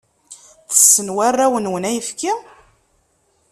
Tessen warraw-nwen ayefki?